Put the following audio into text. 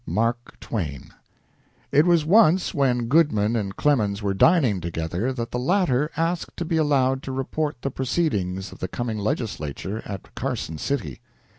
"MARK TWAIN" It was once when Goodman and Clemens were dining together that the latter asked to be allowed to report the proceedings of the coming legislature at Carson City.